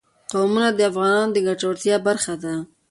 قومونه د افغانانو د ګټورتیا برخه ده.